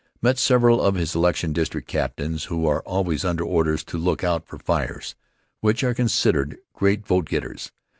Met several of his election district captains who are always under orders to look out for fires, which are considered great vote getters.